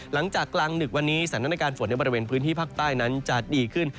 กลางดึกวันนี้สถานการณ์ฝนในบริเวณพื้นที่ภาคใต้นั้นจะดีขึ้น